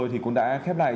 vừa rồi cũng đã khép lại